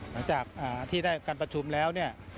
หลังจากที่ได้การประชุมแล้วเนี่ย